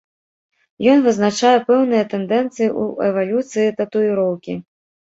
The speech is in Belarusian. Ён вызначае пэўныя тэндэнцыі ў эвалюцыі татуіроўкі.